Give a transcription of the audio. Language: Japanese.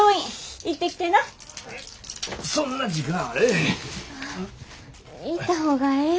行った方がええよ。